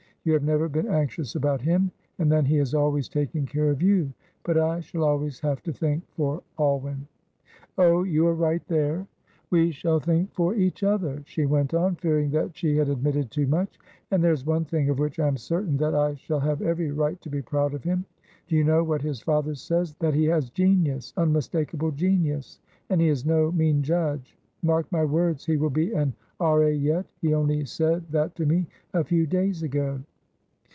You have never been anxious about him; and then he has always taken care of you. But I shall always have to think for Alwyn." "Oh, you are right there!" "We shall think for each other," she went on, fearing that she had admitted too much. "And there is one thing of which I am certain that I shall have every right to be proud of him. Do you know what his father says? that he has genius, unmistakable genius, and he is no mean judge. 'Mark my words, he will be an R.A. yet;' he only said that to me a few days ago."